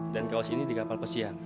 dan kaos ini di kapal pesiam